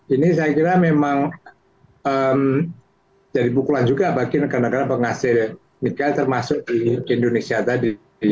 ini saya kira memang jadi pukulan juga bagi negara negara penghasil nikel termasuk di indonesia tadi